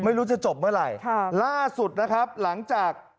ไม่รู้จะจบเมื่อไหร่ค่ะล่าสุดนะครับหลังจาก